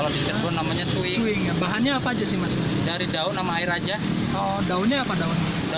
rasa cuingnya tuh aksi di cuing gitu ya